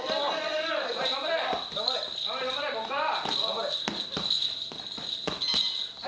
頑張れ、頑張れ、ここから。